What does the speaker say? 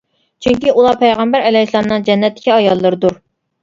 چۈنكى ئۇلار پەيغەمبەر ئەلەيھىسسالامنىڭ جەننەتتىكى ئاياللىرىدۇر.